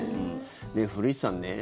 古市さんね